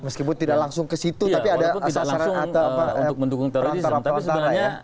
meskipun tidak langsung ke situ tapi ada asasnya atau apa lantaran lantaran ya